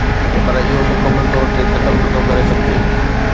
پر اهو مڪمل طور تي ختم نٿو ڪري سگهجي